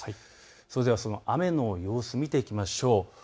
それでは雨の様子を見ていきましょう。